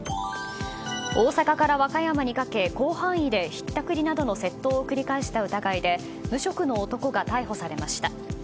大阪から和歌山にかけ広範囲でひったくりなどの窃盗を繰り返した疑いで無職の男が逮捕されました。